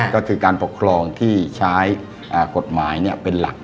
ก็คือการปกครองที่ใช้กฎหมายเป็นหลัก